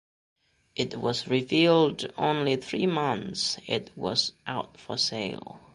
It was revealed only three months it was out for sale.